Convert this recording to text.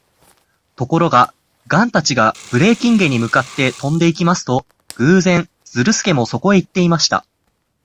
ところが、ガンたちがブレーキンゲに向かって飛んでいきますと、偶然、ズルスケもそこへいっていました。